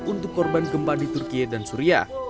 untuk korban gempa di turkiye dan suria